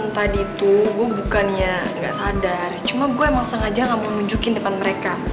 tadi tuh gue bukannya nggak sadar cuma gue emang sengaja gak mau nunjukin depan mereka